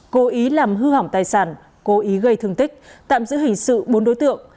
cố ý làm hư hỏng tài sản cố ý gây thương tích tạm giữ hình sự bốn đối tượng